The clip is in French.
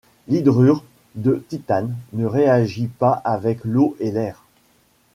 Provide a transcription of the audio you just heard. L'hydrure de titane ne réagit pas avec l'eau et l'air.